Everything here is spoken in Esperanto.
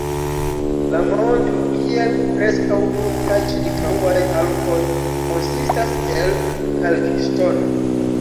La monto, kiel preskaŭ tutaj ĉirkaŭaj Alpoj, konsistas el kalkŝtono.